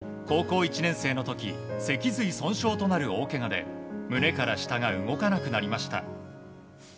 しかし、高校１年生の時脊髄損傷となる大けがで胸から下が動かなくなりました。